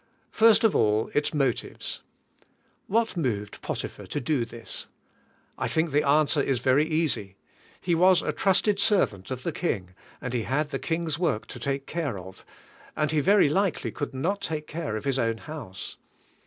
First of all, its motives. What moved Potiphar to do this? I think the answer is very easy: he was a trusted servant of the king and he had the king's work to take care of, and he very likel}^ could not take care of his own house.